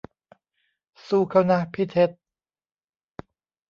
สู้เค้านะพี่เท็ด